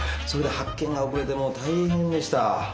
それで発見が遅れて大変でした。